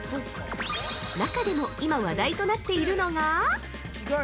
中でも今話題となっているのが◆